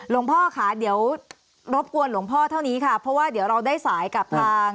ล่วงเพราะค่ะเดี๋ยวรบกวนล่วงเพราะเราได้สายกับตะ